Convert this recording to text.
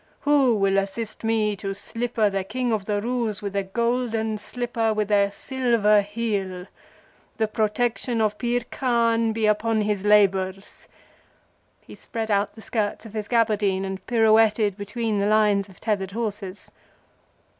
Who will assist me to slipper the King of the Roos with a golden slipper with a silver heel? The protection of Pir Kahn be upon his labors!" He spread out the skirts of his gaberdine and pirouetted between the lines of tethered horses.